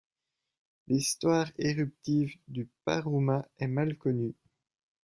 L'histoire éruptive du Paruma est mal connue.